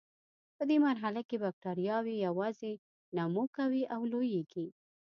په دې مرحله کې بکټریاوې یوازې نمو کوي او لویږي.